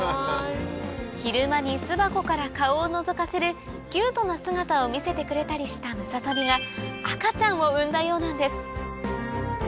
昼間に巣箱から顔をのぞかせるキュートな姿を見せてくれたりしたムササビが赤ちゃんを産んだようなんです